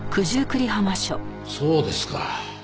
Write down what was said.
そうですか。